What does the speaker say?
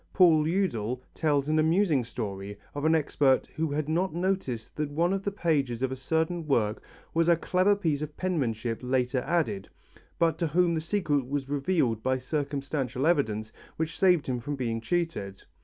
Paul Eudel tells an amusing story of an expert who had not noticed that one of the pages of a certain work was a clever piece of penmanship added later, but to whom the secret was revealed by circumstantial evidence which saved him from being cheated.